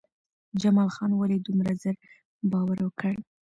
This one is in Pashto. جمال خان ولې دومره زر باور وکړ؟